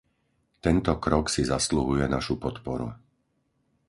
Tento krok si zasluhuje našu podporu.